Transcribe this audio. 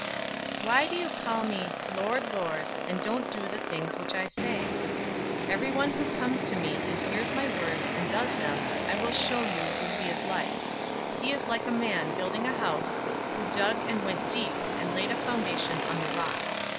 006:046 "Why do you call me, 'Lord, Lord,' and don't do the things which I say? 006:047 Everyone who comes to me, and hears my words, and does them, I will show you who he is like. 006:048 He is like a man building a house, who dug and went deep, and laid a foundation on the rock.